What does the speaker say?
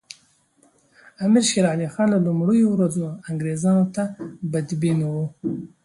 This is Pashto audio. امیر شېر علي خان له لومړیو ورځو انګریزانو ته بدبین وو.